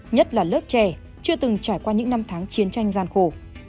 nhất là lớp trẻ chưa từng trải qua những năm tháng chiến tranh gian khổ